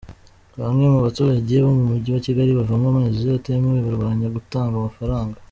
Bamwe mu baturage bo mu mujyi wa Kigali bavoma amazi atemewe barwanya gutanga amafaranga